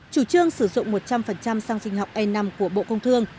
chủ trương sử dụng một trăm linh xăng sinh học e năm của bộ công thương